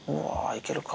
いけるか？